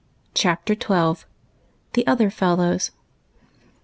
CHAPTER XII. ''THE OTHER FELLOWS.''